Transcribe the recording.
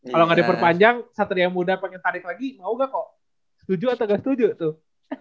kalo gak diperpanjang satria muda pengen tarik lagi mau gak kok setuju atau gak setuju tuh